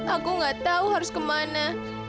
aku gak tahu harus kemana